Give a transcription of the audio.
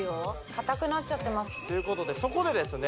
硬くなっちゃってますということでそこでですね